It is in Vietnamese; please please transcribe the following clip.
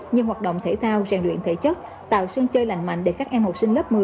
như hoạt động thể thao rèn luyện thể chất tạo sân chơi lành mạnh để các em học sinh lớp một mươi